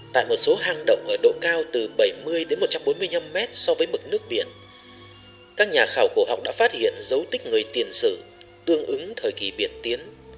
tại một số hang động ở độ cao từ bảy mươi đến một trăm bốn mươi năm mét so với mực nước biển các nhà khảo cổ học đã phát hiện dấu tích người tiền sử tương ứng thời kỳ biển tiến